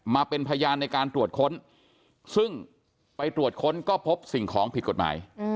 มาเป็นพยานในการตรวจค้นซึ่งไปตรวจค้นก็พบสิ่งของผิดกฎหมาย